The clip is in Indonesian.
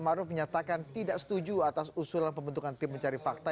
maruf menyatakan tidak setuju atas usulan pembentukan tim mencari fakta